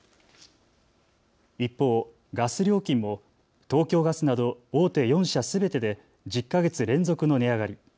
一方、ガス料金も東京ガスなど大手４社すべてで１０か月連続の値上がり。